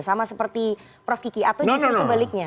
sama seperti prof kiki atau justru sebaliknya